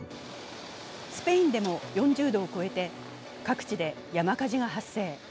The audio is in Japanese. スペインでも４０度を超えて、各地で山火事が発生。